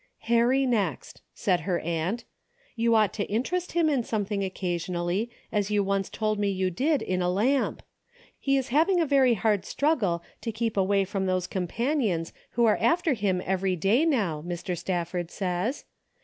"Harry, next," said her aunt. "You ought to interest him in something occasionally, as you once told me you did in a lamp. He is 218 A DAILY bate:* having a very hard struggle to keep away from those companions who are after him every day now, Mr. Stafford says.